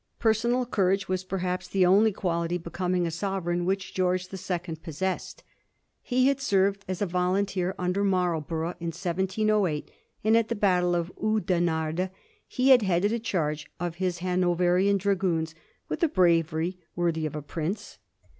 Per sonal courage was, perhaps, the only quality becoming a sovereign which George the Second possessed. He had served as a volunteer under Marlborough in 1708, and at the battle of Oudenarde he had headed a chai^ of his Hanoverian dragoons with a bravery worthy of a prince.